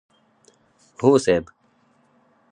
هو صيب!